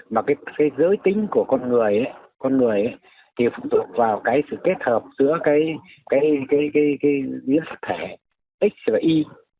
mà cái giới tính của con người thì phụ thuộc vào sự kết hợp giữa cái miếng sắc thể x và y